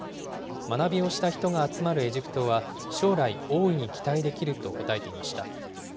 学びをした人が集まるエジプトは、将来、大いに期待できると答えていました。